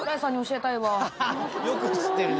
よく知ってるね。